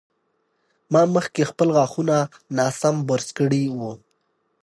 ما مخکې خپل غاښونه ناسم برس کړي وو.